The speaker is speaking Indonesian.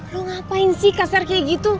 lo ngapain sih kasar kayak gitu